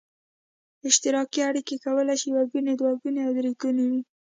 اشتراکي اړیکه کولای شي یو ګونې، دوه ګونې او درې ګونې وي.